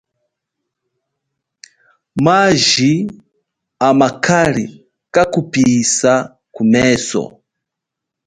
Maji amakali kakupihisa kumeso.